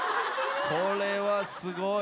これはすごい。